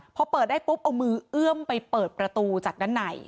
พอเปิดได้ปุ๊บเอามือเอื้อมไปเปิดประตูจากด้านใน